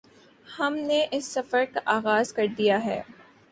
ہم نے اس سفر کا آغاز کردیا ہے